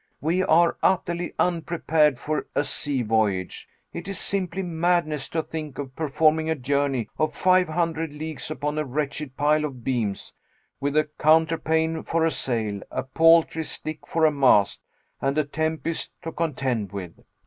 We are utterly unprepared for a sea voyage; it is simply madness to think of performing a journey of five hundred leagues upon a wretched pile of beams, with a counterpane for a sail, a paltry stick for a mast, and a tempest to contend with.